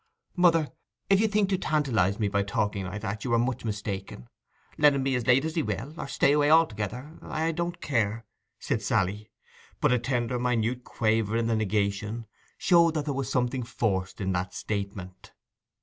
'Mother, if you think to tantalize me by talking like that, you are much mistaken! Let him be as late as he will—or stay away altogether—I don't care,' said Sally. But a tender, minute quaver in the negation showed that there was something forced in that statement.